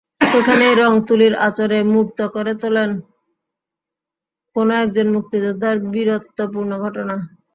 সেখানেই রং-তুলির আঁচড়ে মূর্ত করে তোলেন কোনো একজন মুক্তিযোদ্ধার বীরত্বপূর্ণ ঘটনা।